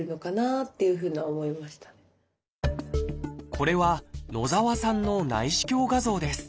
これは野澤さんの内視鏡画像です。